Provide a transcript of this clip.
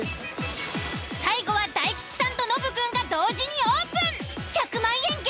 最後は大吉さんとノブくんが同時にオープン！